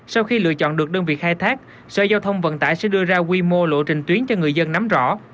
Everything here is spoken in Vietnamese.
sau khi lựa chọn được đơn vị khai thác sở giao thông vận tải sẽ đưa ra quy mô lộ trình tuyến cho người dân nắm rõ